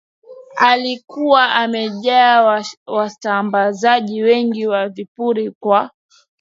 alikuwa amejaa wasambazaji wengi wa vipuri kwa